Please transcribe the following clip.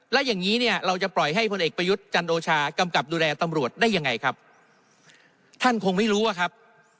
แล้วอย่างนี้เราจะปล่อยให้พลเอ็กส์ประยุทธ์ชันโอชากำกดดูแลตำรวจได้ยังไงครับ